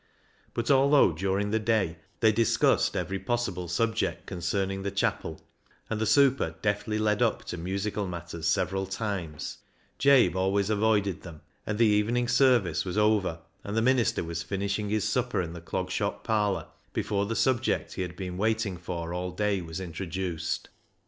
But although during the day they discussed every possible subject concerning the chapel, and the super deftly led up to musical matters several times, Jabe always avoided them, and the evening service was over and the minister was finishing his supper in the THE HARMONIUM 347 Clog Shop parlour before the subject he had been waiting for all day was introduced.